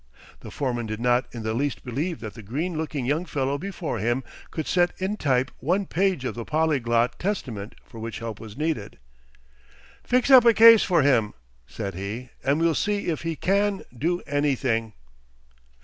The foreman did not in the least believe that the green looking young fellow before him could set in type one page of the polyglot Testament for which help was needed. "Fix up a case for him," said he, "and we'll see if he can do anything."